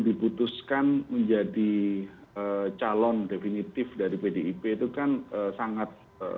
diputuskan menjadi calon definitif dari pdip itu kan sangat